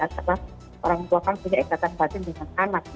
karena orang tua kan punya egzatan batin dengan anak